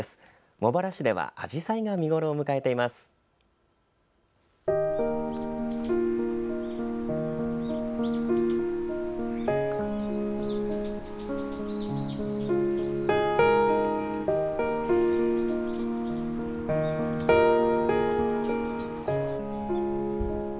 茂原市ではあじさいが見頃を迎えています。